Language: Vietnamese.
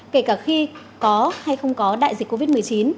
kể cả khi có hay không có đại dịch covid một mươi chín